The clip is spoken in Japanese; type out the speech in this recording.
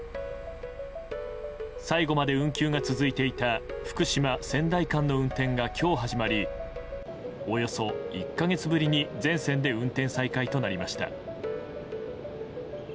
最後まで運休が続いていた福島仙台間の運転が今日始まりおよそ１か月ぶりに全線で運転再開となりました。